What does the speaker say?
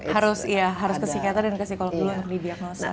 harus kesikatan dan ke psikologi untuk di diagnosa